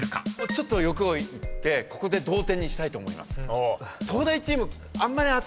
ちょっと欲を言ってここで同点にしたいと思います。